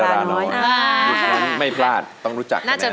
อย่างนั้นไม่พลาดต้องรู้จักกันแน่นอน